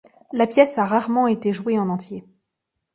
La pièce a rarement été jouée en entier.